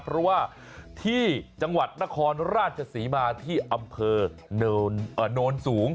เพราะว่าที่จังหวัดนครราชศรีมาที่อำเภอโนนสูง